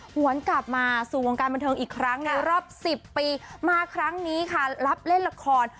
หวนกลับมาสู่วงการบันเทิงอีกครั้งในรอบสิบปีมาครั้งนี้ค่ะรับเล่นละคร